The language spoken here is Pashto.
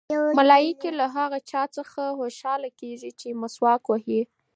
ملایکې له هغه چا څخه خوشحاله کېږي چې مسواک وهي.